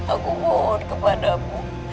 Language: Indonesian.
aku mohon kepadamu